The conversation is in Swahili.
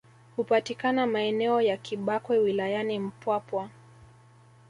Hupatikana maeneo ya Kibakwe wilayani Mpwapwa